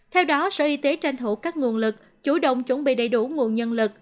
theo đó sở y tế tranh thủ các nguồn lực chủ động chuẩn bị đầy đủ nguồn nhân lực